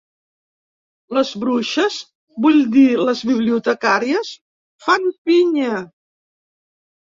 Les bruixes, vull dir les bibliotecàries, fan pinya.